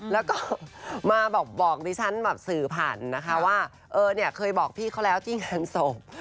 แล้วก็มาบอกดิฉันแบบสื่อผ่านนะคะว่าเออเนี่ยเคยบอกพี่เขาแล้วที่งานศพ